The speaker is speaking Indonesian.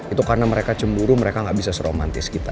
itu karena mereka cemburu mereka gak bisa seromantis kita